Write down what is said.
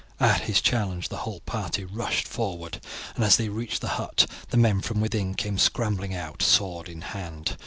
At his challenge the whole party rushed forward, and as they reached the hut the men from within came scrambling out, sword in hand.